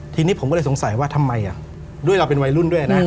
ทีนี้ผมก็เลยสงสัยว่าทำไมด้วยเราเป็นวัยรุ่นด้วยนะ